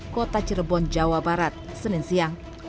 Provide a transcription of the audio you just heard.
kota cirebon jawa barat senin siang